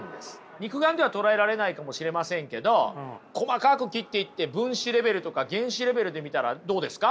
肉眼では捉えられないかもしれませんけど細かく切っていって分子レベルとか原子レベルで見たらどうですか？